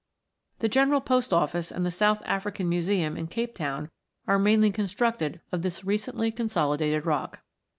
The General Post Office and the South African Museum in Cape Town are mainly constructed of this recently consolidated rock.